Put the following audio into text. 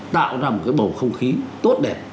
tạo ra một cái bầu không khí tốt đẹp